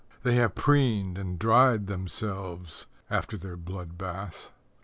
They have preened And dried themselves After their blood bath.